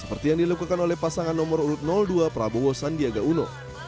seperti yang dilakukan oleh pasangan nomor urut dua prabowo sandiaga uno